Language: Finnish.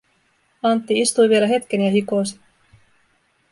Antti istui vielä hetken ja hikosi.